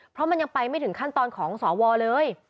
เพราะมันยังไปไม่ถึงขั้นตอนของสวเลย